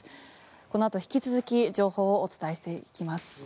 このあと引き続き情報をお伝えしていきます。